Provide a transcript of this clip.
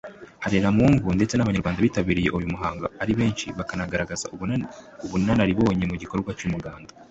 Harebamungu ndetse n’Abanyarwanda bitabiriye uyu muhango ari benshi bakanagaragaza ubunararibonye mu gikorwa cy’umuganda